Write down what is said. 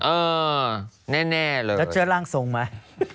เออแน่เลยแล้วเชื่อร่างทรงไหม